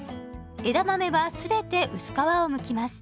枝豆は全て薄皮をむきます。